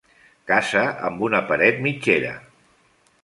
Casa amb una paret mitgera.